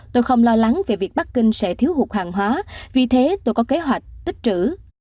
tôi không lo lắng về việc bắc kinh sẽ thiếu hụt hàng hóa vì thế tôi có kế hoạch tích trữ